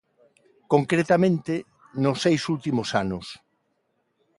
Concretamente nos seis últimos anos.